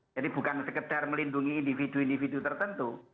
jadi bukan sekedar melindungi individu individu tertentu